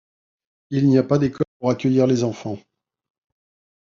Il n'y a pas d'école pour accueillir les enfants.